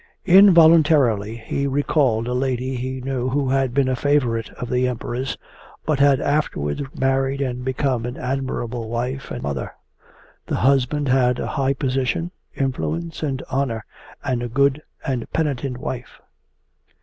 Involuntarily he recalled a lady he knew who had been a favourite of the Emperor's, but had afterwards married and become an admirable wife and mother. The husband had a high position, influence and honour, and a good and penitent wife.